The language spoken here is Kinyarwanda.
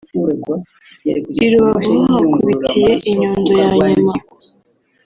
i Rubavu ho bahakubitiye inyundo ya nyuma